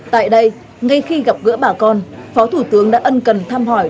tại đây ngay khi gặp gỡ bà con phó thủ tướng đã ân cần thăm hỏi